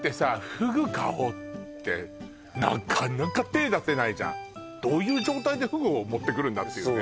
ふぐ買おうってなかなか手出せないじゃんどういう状態でふぐを持ってくるんだっていうね